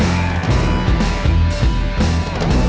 aduh nonton dimana ya